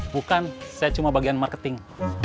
bukan saya cuma bagian marketing